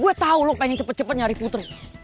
gue tau lo pengen cepet cepet nyari putri